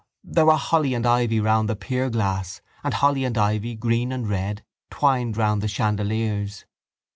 There were holly and ivy round the pierglass and holly and ivy, green and red, twined round the chandeliers.